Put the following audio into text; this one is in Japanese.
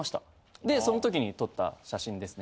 でその時に撮った写真ですね。